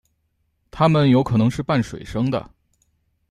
它们有可能是半水生的。